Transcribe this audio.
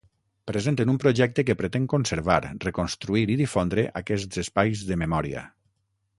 Presenten un projecte que pretén conservar, reconstruir i difondre aquests espais de memòria.